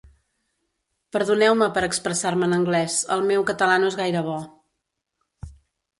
Perdoneu-me per expressar-me en anglès, el meu català no és gaire bo.